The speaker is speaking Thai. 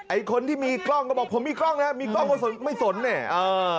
ไอ้คนที่มีกล้องก็บอกผมมีกล้องนะมีกล้องก็สนไม่สนเนี่ยเออ